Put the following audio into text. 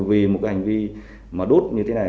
vì một cái hành vi mà đốt như thế này